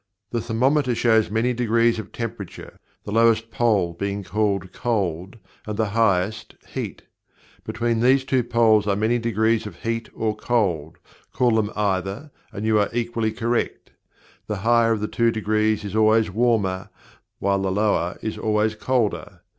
The thermometer shows many degrees of temperature, the lowest pole being called "cold," and the highest "heat." Between these two poles are many degrees of "heat" or "cold," call them either and you are equally correct. The higher of two degrees is always "warmer," while the lower is always "colder."